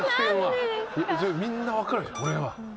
みんなわかるじゃんこれは。